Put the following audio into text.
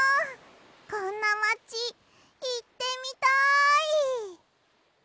こんなまちいってみたい！